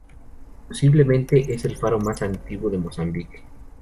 Posiblemente es el faro más antiguo de Mozambique.